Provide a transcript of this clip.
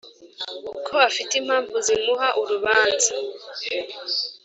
ko afite impamvu zimuha urubanza’’